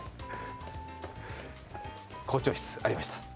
校長室ありました。